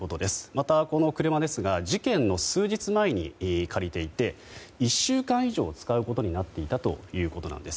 また、この車ですが事件の数日前に借りていて１週間以上、使うことになっていたということなんです。